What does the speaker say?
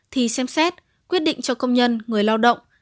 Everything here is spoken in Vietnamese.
thì xem xét quyết định cho công nhân người lao động